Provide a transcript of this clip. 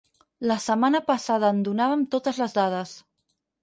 La setmana passada en donàvem totes les dades.